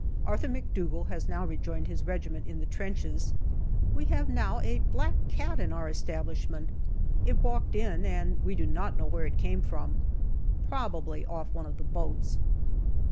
Arthur McDougall has now rejoined his regiment in the trenches. We have now a black cat in our establishment. It walked in, and we do not know where it came from. Probably off one of the boats.